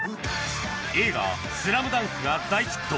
映画『ＳＬＡＭＤＵＮＫ』が大ヒット